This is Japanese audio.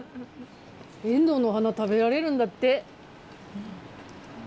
エンドウのお花、食べられるんだって。